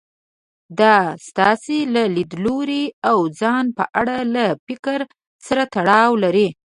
دا ستاسې له ليدلوري او ځان په اړه له فکر سره تړاو لري.